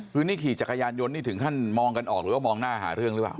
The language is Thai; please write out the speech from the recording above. คือนี่ขี่จักรยานยนต์นี่ถึงขั้นมองกันออกหรือว่ามองหน้าหาเรื่องหรือเปล่า